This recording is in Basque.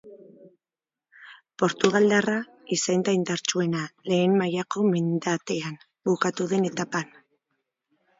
Portugaldarra izan da indartsuena lehen mailako mendatean bukatu den etapan.